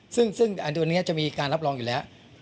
ซึ่งอันนี้จะมีการรับรองอยู่แล้ว